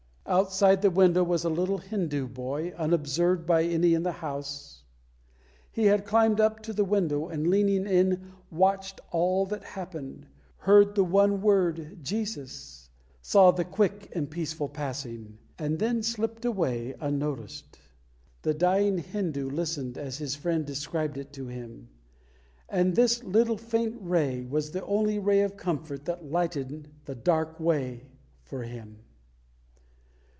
Outside the window was a little Hindu boy, unobserved by any in the house. He had climbed up to the window, and, leaning in, watched all that happened, heard the one word "Jesus," saw the quick and peaceful passing; and then slipped away unnoticed. The dying Hindu listened as his friend described it to him. And this little faint ray was the only ray of comfort that lightened the dark way for him.